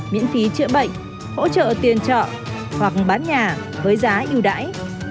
miễn phí trợ bệnh hỗ trợ tiền trọ hoặc bán nhà với giá yêu đáy